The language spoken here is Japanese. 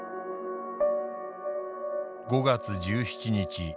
「５月１７日。